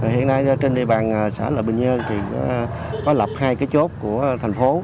hiện nay trên địa bàn xã lợi bình nhơn có lập hai chốt của thành phố